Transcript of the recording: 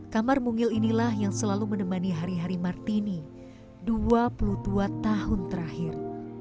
kamar mungil inilah yang selalu menemani hari hari martini dua puluh dua tahun terakhir